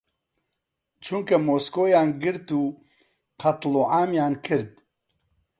چونکە مۆسکۆیان گرت و قەتڵ و عامیان کرد.